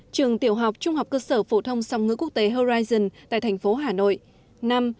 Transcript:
ba trường tiểu học trung học cơ sở phổ thông song ngữ quốc tế horizon tại thành phố hà nội